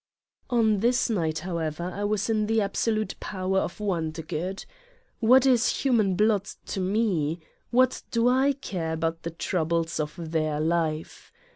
On this night however I was in the absolute power of Wondergood. What is human blood to Me? What do I care about the troubles of their life